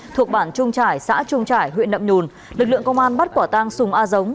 thuộc bản trung trải xã trung trải huyện nậm nhùn lực lượng công an bắt quả tang sùng a giống